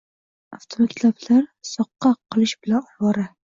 "Avtomaktablar soqqa qilish bilan ovora.